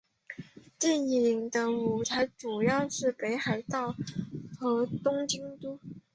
电影的舞台主要是北海道和东京都。